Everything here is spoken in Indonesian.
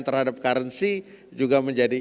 terhadap currency juga menjadi